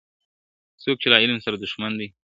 څوک چي له علم سره دښمن دی ,